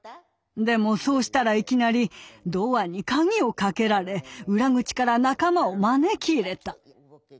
でもそうしたらいきなりドアに鍵をかけられ裏口から仲間を招き入れた。